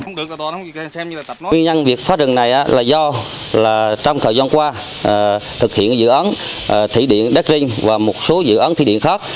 nguyên nhân việc phá rừng này là do trong thời gian qua thực hiện dự án thủy điện đắc ring và một số dự án thủy điện khác